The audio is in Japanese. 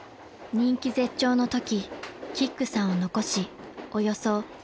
［人気絶頂のときキックさんを残しおよそ７カ月間の入院］